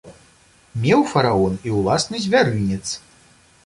Меў фараон і ўласны звярынец.